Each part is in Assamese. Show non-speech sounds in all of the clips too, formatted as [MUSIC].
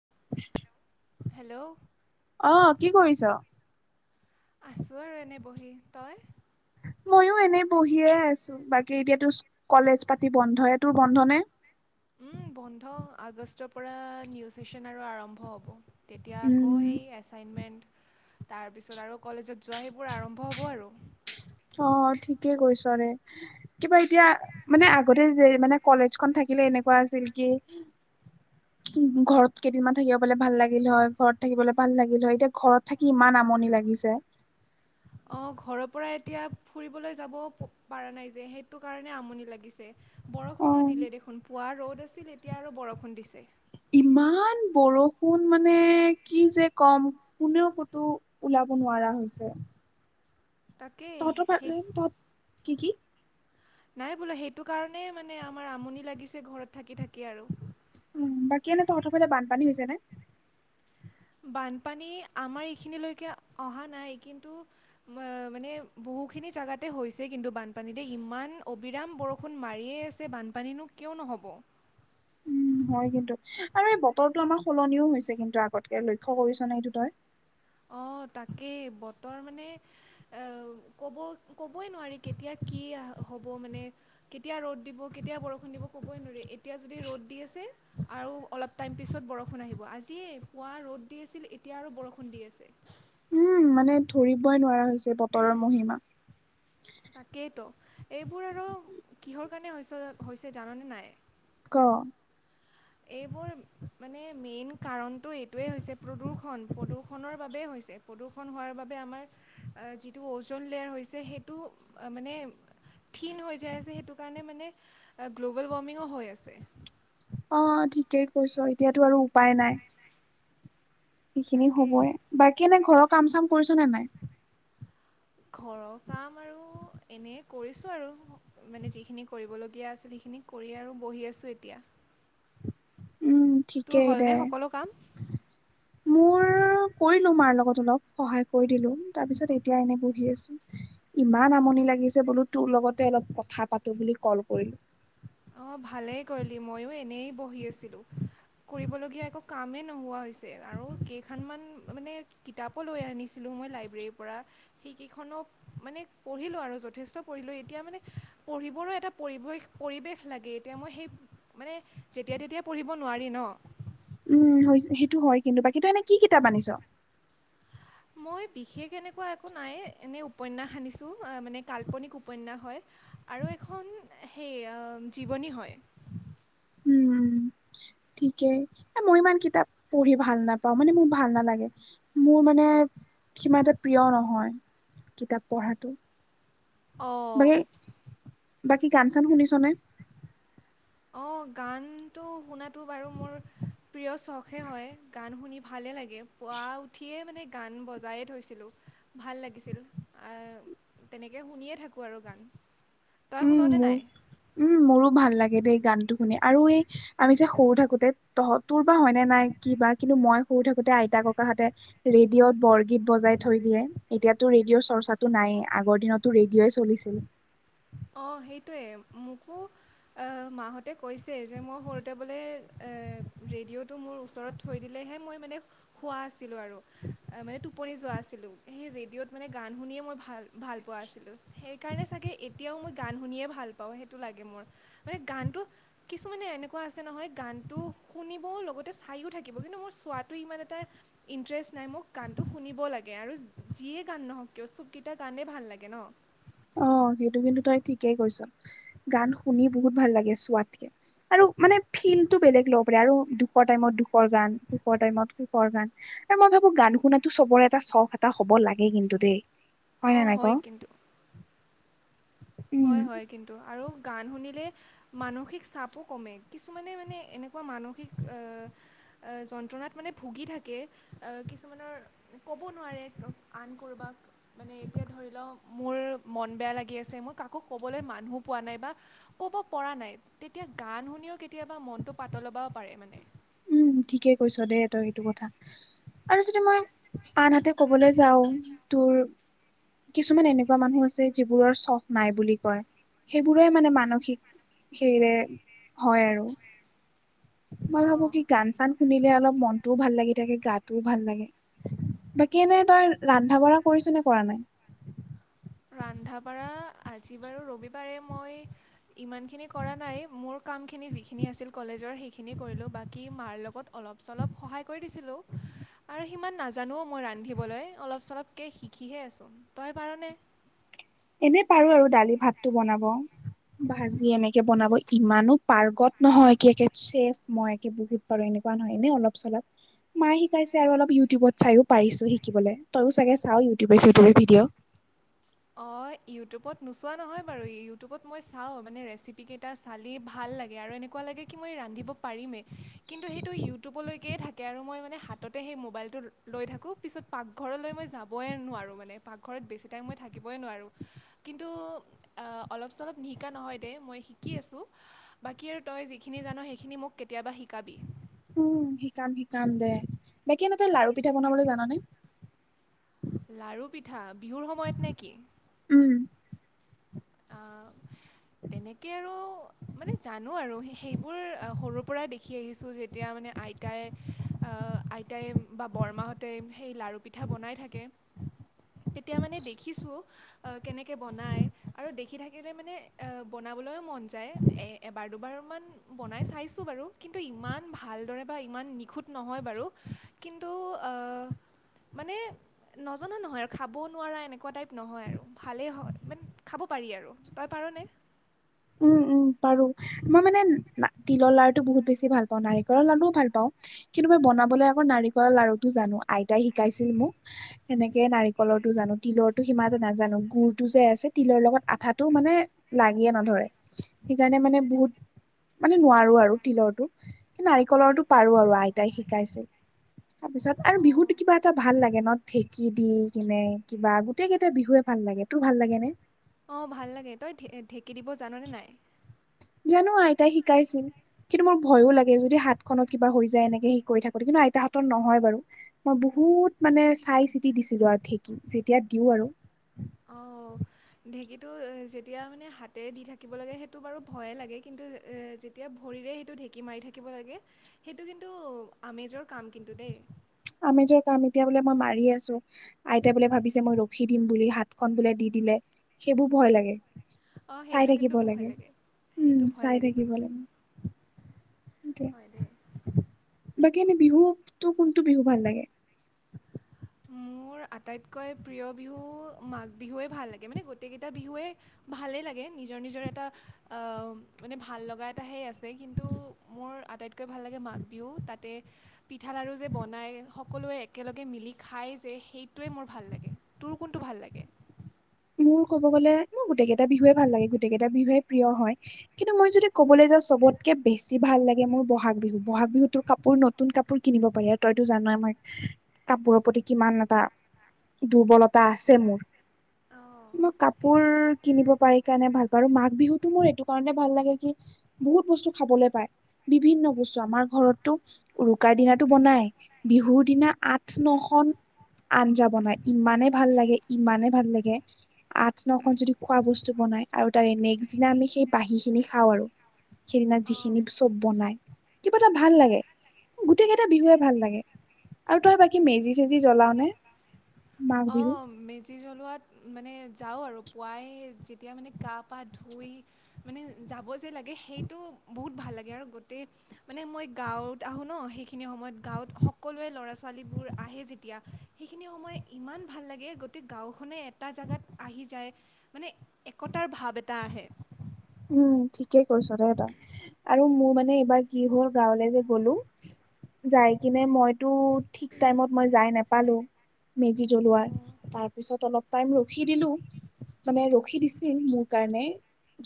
[UNINTELLIGIBLE] হেল্ল' অ কি কৰিছ? আছোঁ আৰু এনে বহি তই? ময়ো এনেই বহিয়ে আছোঁ বাকী এতিয়াতো কলেজ পাতি বন্ধ এই। তোৰ বন্ধ নে? বন্ধ আগষ্টৰ পৰা নিউজ শেশচন আৰু আৰম্ভ হ'ব। তেতিয়া আকৌ উম সেই এছাইনমেণ্ট তাৰপিছত আৰু কলেজত যোৱা সেইবোৰ আৰম্ভ হ'ব আৰু। অ ঠিকে কৈছ ৰে। কিবা এতিয়া মানে আগতে যে মানে কলেজ খন থাকিলে এনেকুৱা আছিল কি [INAUDIBLE] ঘৰত কেইদিনমান থাকিব পালে ভাল লাগিল হয় ঘৰত থাকিবলৈ ভাল লাগিল হয় এতিয়া ঘৰত থাকি ইমান আমনি লাগিছে। অঁ ঘৰৰ পৰা এতিয়া ফুৰিবলৈ যাবও পৰা নাই যে সেইটো কাৰণে আমনি লাগিছে। অ বৰষুণো দিলে দেখোন পুৱা ৰ'দ আছিল এতিয়া আৰু বৰষুণ দিছে। ইমান বৰষুণ মানে কি যে কম কোনেও কতো ওলাব নোৱাৰা হৈছে। তাকেই সেই কি কি? নাই বোলা সেইটো কাৰণে মানে আমাৰ আমনি লাগিছে ঘৰত থাকি থাকি আৰু। উ বাকী এনে তহঁতৰ ফালে বানপানী হৈছে নে? বানপানী আমাৰ এইখিনিলৈকে অহা নাই কিন্তু মানে বহুখিনি জাগাতে হৈছে কিন্তু বানপানীতে ইমান অবিৰাম বৰষুণ মাৰিয়েই আছে বানপানীনো কিয় নহ'ব? উম হয় কিন্তু আৰু এই বতৰটো আমাৰ সলনিও হৈছে কিন্তু আগতকে লক্ষ্য কৰিছ নে এইটো তই? অ তাকেই বতৰ মানে অ কব ক'বই নোৱাৰি কেতিয়া কি আ হ'ব মানে কেতিয়া ৰ'দ দিব, কেতিয়া বৰষুণ দিব ক'বই নোৱাৰি এতিয়া যদি ৰ'দ দি আছে আৰু অলপ টাইম পিছত বৰষুণ আহিব আজিয়েই পুৱা ৰ'দ দি আছিল এতিয়া আৰু বৰষুণ ষুণ দি আছে। উম মানে ধৰিবই নোৱাৰা হৈছে বতৰৰ মহিমা। তাকেইতো এইবোৰ আৰু কিহৰ কাৰণে হৈছে হৈছে জাননে নাই? ক এইবোৰ মানে মেইন কাৰণটো এইটোৱেই হৈছে প্ৰদূষণ প্ৰদূষণৰ বাবেই হৈছে। প্ৰদূষণ হোৱাৰ বাবে আমাৰ যিটো অজন লেয়াৰ হৈছে সেইটো মানে থিন হৈ যায় আছে সেইটো কাৰণে মানে গ্ল'বেল ৱাৰ্মিঙো হৈ আছে। অ ঠিকেই কৈছ এতিয়াতো আৰু উপায় নাই। সেইখিনি তাকেই হ'বয়ে, বাকী এনে ঘৰৰ কাম চাম কৰিছ নে নাই? ঘৰৰ কাম আৰু এনেই কৰিছোঁ আৰু। মানে যিখিনি কৰিবলগীয়া আছিল সেইখিনি কৰি আৰু বহি আছোঁ এতিয়া। উম তোৰ ঠিকেই দে। হ'লনে সকলো মোৰ [INAUDIBLE] কৰিলো মাৰ লগত অলপ সহায় কৰি দিলো তাৰ পিছত এতিয়া এনে বহি আছোঁ। ইমান আমনি লাগিছে বোলো তোৰ লগতে অলপ কথা পাতো বুলি কল কৰিলোঁ। অ ভালেই কৰিলি মইয়ো এনেই বহি আছিলো কৰিবলগীয়া একো কামেই নোহোৱা হৈ আৰু কেইখনমান মানে কিতাপো লৈ আনিছিলোঁ মই লাইব্ৰেৰীৰ পৰা সেইকেইখনো মানে পঢ়িলো আৰু যথেষ্ট পঢ়িলো এতিয়া মানে পঢ়িবৰো এটা পৰিৱেশ পৰিৱেশ ভাল লাগে এতিয়া মই সেই মানে যেতিয়া তেতিয়া পঢ়িব নোৱাৰি ন উম সেইটো হয় কিন্তু বাকী তই এনে কি কিতাপ আনিছ মই বিশেষ এনেকুৱা একো নাই এনেই উপন্যাস আনিছোঁ মানে কাল্পনিক উপন্যাস হয় আৰু এখন সেই জীৱনী হয় উম [INAUDIBLE] ঠিকেই মই ইমান কিতাপ পঢ়ি ভাল নাপাও মানে মোৰ ভাল নালাগে মোৰ মানে কিবা এটা প্ৰিয় নহয় কিতাপ পঢ়াটো বাকী অঁ বাকী গান চান শুনিছনে অঁ গানটো শুনাটো বাৰু মোৰ প্ৰিয় চখে হয় গান শুনি ভালে লাগে পুৱা উঠিয়ে মানে গান বজায়ে থৈছিলোঁ ভাল লাগিছিল তেনেকে শুনিয়ে থাকো আৰু গান তই উম শুন নে মোৰ নাই? উম মোৰো ভাল লাগে দেই গানটো শুনি আৰু এই আমি যে সৰু থাকোতে তহঁত তোৰ বা হয়নে নাই কি বা কিন্তু মই সৰু থাকোতে আইতা-ককাহঁতে ত ৰেডিঅ'ত বৰগীত বজাই থৈ দিয়ে, এতিয়াতো ৰেডিঅ'ৰ চৰ্চাটো নাইয়ে আগৰ দিনতটো ৰেডিঅ'ই চলিছিল অ সেইটোৱে মোকো অ মাহঁতে কৈছে যে মই সৰুতে বোলে এ ৰেডিঅ'টো মোৰ ওচৰত থৈ দিলেহে মই মানে হোৱা আছিলো আৰু মানে টোপনি যোৱা আছিলো সেই ৰেডিঅ'ত মানে গান শুনিয়ে মই ভাল ভাল পোৱা আছিলোঁ সেইকাৰণে চাগে এতিয়াও মই গান শুনিয়ে ভাল পাওঁ সেইটো লাগে মোৰ মানে গানটো কিছুমানে এনেকুৱা আছে নহয় গানটো শুনিবও লগতে চায়ো থাকিব কিন্তু মোৰ চোৱাটো ইমান এটা ইণ্টৰেষ্ট নাই মোক গানটো শুনিব লাগে আৰু যিয়ে গান নহওঁক কিয় চুকীটা গানেই ভাল লাগে ন অ সেইটো কিন্তু তই ঠিকেই কৈছ গান শুনি বহুত ভাল লাগে ছোৱালীৰ আৰু মানে ফিলটো বেলেগ ল'ব পাৰে আৰু দুখৰ টাইমত দুখৰ গান, সুখৰ টাইমত সুখৰ গান এ মই ভাবো গান শুনাতো চবৰে এটা চখ এটা হব লাগে কিন্তু দেই অ নে নাই ক? হয় কিন্তু উম হয় হয় কিন্তু আৰু গান শুনিলে মানসিক চাপো কমে কিছুমানে মানে এনেকুৱা মানসিক এহ এ যন্ত্ৰণাত মানে ভুগি থাকে অ কিছুমানৰ ক'ব নোৱাৰে আন কৰ'বাক মানে এতিয়া ধৰিল মোৰ মন বেয়া লাগি আছে মই কাকো ক'বলে মানুহ পোৱা নাই বা ক'ব পৰা নাই তেতিয়া গান শুনিও কেতিয়াবা মনটো পাতল ল'বাও পাৰে মানে উম ঠিকে কৈছ দেই তই সেইটো কথা আৰু যদি মই আনহাতে ক'বলৈ যাওঁ তোৰ কিছুমান এনেকুৱা মানুহ আছে যিবোৰৰ চখ নাই বুলি কয় সেইবোৰেই মানে মানসিক সেইয়ে হয় আৰু মই ভাবো অঁ কি গান চান শুনিলে অলপ মনটোও ভাল লাগি থাকে গাটোও ভাল লাগে ব কেনে তাৰ ৰন্ধা বঢ়া কৰিছ নে কৰা নাই ৰন্ধা বঢ়া আজি বাৰু ৰবিবাৰে মই ইমানখিনি কৰা নাই মোৰ কামখিনি যিখিনি আছিল কলেজৰ সেইখিনি কৰিলোঁ বাট কি মাৰ লগত অলপ চলপ সহায় কৰি দিছিলোঁ আৰু সিমান নাজানো মই ৰান্ধিবলৈ অলপ চলপকে শিকিহে আছোঁ তই পাৰনে এনে পাৰো আৰু দালি ভাতটো বনাব ভাজি এনেকে বনাব ইমানো পাৰ্গত নহয় কে কেত চেফ মই একে বহুত আৰু এনেকুৱা নহয় নে অলপ চলপ মায়ে শিকাইছে আৰু অলপ ইউটিউবত চাইও পাৰিছো শিকিবলে তয়ো চাগে চাওঁ ইউটিউবে চিউটিউবে ভিডিঅ' অ ইউটিউবত নোচোৱা নহয় বাৰু ইউটিউবত মই চাওঁ মানে ৰেচিপিকেইটা চালেই ভাল লাগে আৰু এনেকুৱা লাগে কি মই ৰান্ধিব পাৰিমে কিন্তু সেইটো ইউটিউবলৈকেই থাকে আৰু মই মানে হাততে সেই মোবাইলটো লৈ থাকোঁ পিছত পাকঘৰলৈ মই যাবই নোৱাৰোঁ মানে পাকঘৰত বেছি টাইম মই থাকিবই নোৱাৰোঁ কিন্তু আ অলপ চলপ নিহিকা নহয় দে মই শিকি আছোঁ বাকী আৰু তই যিখিনি জানো সেইখিনি মোক কেতিয়াবা শিকাবি উম শিকাম শিকাম দে এতিয়া নো তই লাৰু পিঠা বনাবলৈ জানানে লাৰু পিঠা বিহুৰ সময়ত নেকি? উম। আহ, তেনেকে আৰু মানে জানো আৰু সে সেই বোৰ সৰুৰ পৰাই দেখি আহিছোঁ যেতিয়া মানে আইতাই আইতাই বা বৰমাহঁতে সেই লাৰু পিঠা বনাই থাকে। তেতিয়া মানে দেখিছো কেনেকে বনাই। আৰু দেখি থাকিলে মানে বনাবলৈও মন যায় এবাৰ দুবাৰমান বনাই চাইছোঁ বাৰু কিন্তু ইমান ভালদৰে বা ইমান নিখুঁত নহয় বাৰু। কিন্তু অঁহ মানে নজনা নহয় আৰু খাবও নোৱাৰা এনেকুৱা টাইপ নহয় আৰু ভালেই হয়। খাব পাৰি আৰু, তই পাৰনে? উম উম পাৰো, মই মানে তিলৰ লাডটো বহুত বেছি ভাল পাওঁ নাৰিকলৰ লাডুও ভাল পাওঁ। কিন্তু মই বনাবলৈ আকৌ নাৰিকলৰ লাৰুটো জানো আইতাই শিকাইছিল মোক। সেনেকে নাৰিকলৰটো জানো তিলৰটো সিমান নাজানো গুৰতটো যে আছে তিলৰ লগত আঠাটো মানে লাগিয়ে নধৰে, সেইকাৰণে মানে বহুত মানে নোৱাৰো আৰু তিলৰটো কি নাৰিকলৰটো পাৰো আৰু আইতাই শিকাইছে। তাৰ পিছত আৰু অঁ বিহুতো কিবা এটা ভাল লাগে ন। ঢেঁকী দি কিনে কিবা গোটেই কেইটা বিহুৱে ভাল লাগে, তোৰ ভাল লাগে নে? অঁহ ভাল লাগে তই ঢে-ঢেঁকী দিব জাননে নাই? জানো আইতাই শিকাইছিল, কিন্তু মোৰ ভয়ো লাগে যদি হাত- খনত কিবা হৈ যায় এনেকে সি কৰি থাকোতে কিন্তু আইতাহ হাতত নহয় বাৰু। মই বহুত মানে চাই চিতি দিছিলোঁ আৰু ঢেঁকী যেতিয়া দিওঁ আৰু। অঁহ। ঢেঁকীটো এ যেতিয়া মানে হাতেৰে দি থাকিব লাগে সেইটো বাৰু ভয়ে লাগে কিন্তু এতিয়া ভৰিৰে সেইটো ঢেঁকী মাৰি থাকিব লাগে সেইটো কিন্তু আমেজৰ কাম কিন্তু দেই। আমেজৰ কাম এতিয়া বোলে মই মাৰি আছো। আইতাই বোলে ভাবিছে মই ৰখি দিম বুলি হাতখন বোলে দি দিলে সেইবোৰ ভয় লাগে। অঁ সেইটো চাই কিন্তু থাকিব ভয় লাগে, সেইটো উম ভয় চাই থাকিব কিন্তু লাগে। হয় দেই বাকী এনেই বিহু তোৰ কোনটো বিহু ভাল লাগে? মোৰ আটাইতকৈ প্ৰিয় বিহু মাঘ বিহুৱেই ভাল লাগে মানে গোটেইকেইটা বিহুৱেই ভালেই লাগে নিজৰ নিজৰ এটা আহ মানে ভাল লগা এটা সেই আছে। কিন্তু মোৰ আটাইত কে ভাল লাগে মাঘ বিহু তাতে পিঠা লাৰু যে বনায় সকলোৱে একেলগে মিলি খাই যে সেইটোৱে মোৰ ভাল লাগে, তোৰ কোনটো ভাল লাগে? মোৰ ক'ব গ'লে মোৰ গোটেইকেইটা বিহুৱে ভাল লাগে গোটেইকেইটা বিহুৱে প্ৰিয় হয়। কিন্তু মই যদি ক'বলৈ যাওঁ চবতকে বেছি ভাল লাগে মোৰ বহাগ বিহু বহাগ বিহুত তোৰ কাপোৰ নত নতুন কাপোৰ কিনিব পাৰি আৰু তইতো জানো আমাৰ। [INAUDIBLE] কাপোৰৰ প্ৰতি কিমান এটা, দুৰ্বলতা আছে মোৰ। অঁ মই সেই কাপোৰ কিনিব পাৰি কাৰণে ভাল পাওঁ আৰু মাঘ বিহুতটো মোৰ এইটো কাৰণে ভাল লাগে কি বহুত বস্তু খাবলৈ পায়, বিভিন্ন বস্তু আমাৰ ঘৰতটো। উৰুকাৰ দিনাটো বনাই বিহুৰ দিনা আঠ নখন। আঞ্জা বনাই ইমানে ভাল লাগে ইমানে ভাল লাগে। আঠ নখন যদি খোৱা বস্তু বনাই আৰু তাৰে নেক্স দিনা আমি সেই বাঁহী খিনি খাওঁ আৰু। সেইদিনা অঁ যিখিনি চব বনাই, কিবা এটা ভাল লাগে গোটেই কেইটা বিহুৱে ভাল লাগে। আৰু তই বাকী মেজি চেজি জ্বলাও নে? মাঘ অ বিহুত মে জি জ্বলোৱাত মানে যাওঁ আৰু পুৱাই যেতিয়া মানে গা পা ধুই মানে যাব যে লাগে সেইটো বহুত ভাল লাগে আৰু গোটেই মানে মই গাঁৱত আহোঁ ন সেইখিনি সময়ত গাঁৱত সকলোৱে ল'ৰা ছোৱালীবোৰ আহে যেতিয়া সেইখিনি সময় ইমান ভাল লাগে গতেই গাঁওখনে এটা জেগাত আহি যায়। মানে একতাৰ ভাৱ এটা আহে। উম ঠিকেই কৈছ দে তই আৰু মোৰ মানে এইবাৰ কি হ'ল গাঁৱলে যে গলো। যাই কিনে মই তো ঠিক টাইমত মই যাই নাপালোঁ মেজি জ্বলোৱাৰ অঁ তাৰপিছত অলপ টাইম ৰখি দিলোঁ মানে ৰখি দিছিল মোৰ কাৰণে।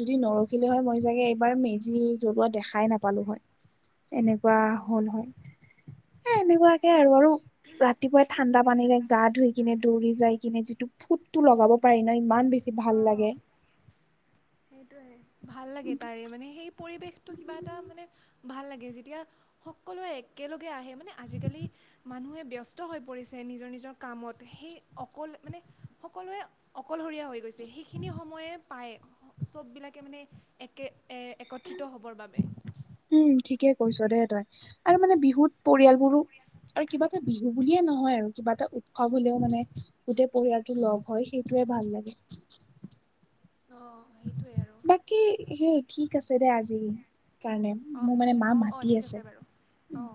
যদি নৰখিলে হয় মই চাগে এইবাৰ মেজি জ্বলোৱা দেখাই নাপালো হয়। এনেকুৱা অঁ হল হয় এ এনেকুৱাকে আৰু। ৰাতিপুৱাই ঠাণ্ডা পানীৰে গা ধুই কিনে দৌৰি যাই কিনে যিটো ফুটটো লগাব প্ৰায় নাই ইমান বেছি ভাল অঁ লাগে। সেইটোৱে ভাল লাগে তাৰে মানে সেই পৰিৱেশটো কিবা এটা মানে ভাল লাগে যেতিয়া সকলোৱে একেলগে আহে মানে আজিকালি মানুহে ব্যস্ত হৈ পৰিছে নিজৰ নিজৰ কামত সেই অকল মানে সকলোৱে অকলশৰীয়া হৈ গৈছে সেইখিনি সময়ে পায়। চববিলাকে মানে একে এ একত্ৰিত হ'বৰ বাবে। উম ঠিকে কৈছ দেই তই আৰু মানে বিহুত পৰিয়ালবোৰো আৰু কিবা এটা বিহু বুলিয়ে নহয় আৰু কিবা এটা উৎসৱ হলেও মানে গোটেই পৰিয়ালটো লগ হয় সেইটোৱে ভাল লাগে। অঁ সেইটোৱে আৰু। কি সেই ঠিক আছে দে আজি কাৰণে অঁ মোৰ মানে মা অঁ অঁ মাতি ঠিক আছে। বাৰু অঁ।